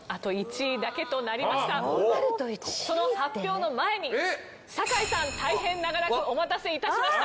その発表の前に酒井さん大変長らくお待たせ致しました。